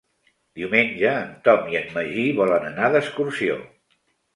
Diumenge en Tom i en Magí volen anar d'excursió.